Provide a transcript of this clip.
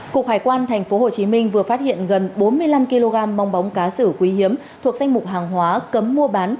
cục hải quan tp hcm vừa phát hiện gần bốn mươi năm kg mong bóng cá sử quý hiếm thuộc danh mục hàng hóa cấm mua bán